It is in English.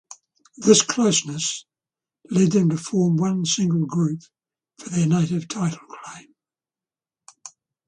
This closeness led them to form one single group for their native title claim.